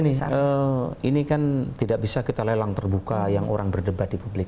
jadi begini ini kan tidak bisa kita lelang terbuka yang orang berdebat di publik